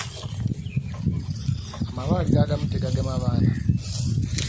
Amalwaliro agamu tegagema baana.